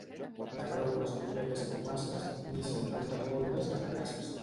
De bromes, brometes i bromasses n'ixen moltes voltes les vergasses.